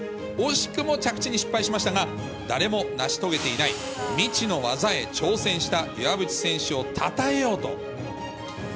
惜しくも着地に失敗しましたが、誰も成し遂げていない未知の技へ挑戦した岩渕選手をたたえようと。